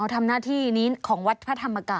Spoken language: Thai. ทำหน้าที่นี้ของวัดพระธรรมกาย